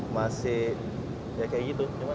masih ya kayak gitu cuman